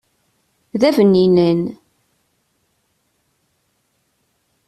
D abninan.